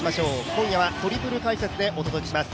今夜はトリプル解説でお届けします。